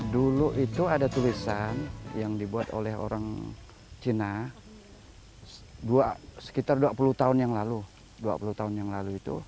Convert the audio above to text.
dulu itu ada tulisan yang dibuat oleh orang cina sekitar dua puluh tahun yang lalu